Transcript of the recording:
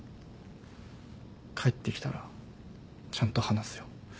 帰ってきたらちゃんと話すよ。